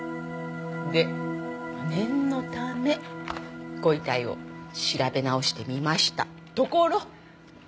で念のためご遺体を調べ直してみましたところ。